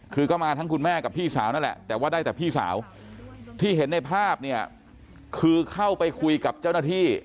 คือก็มาทั้งคุณแม่กับพี่สาวนั่นแหละแต่ว่าได้แต่พี่สาวที่เห็นในภาพเนี่ยคือเข้าไปคุยกับเจ้าหน้าที่